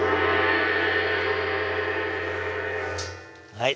はい。